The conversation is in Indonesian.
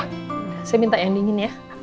saya minta yang dingin ya